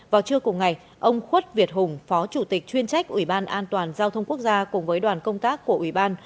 vào trưa cùng ngày ông khuất việt hùng phó chủ tịch chuyên trách ủy ban an toàn giao thông quốc gia cùng với đoàn công tác của ủy ban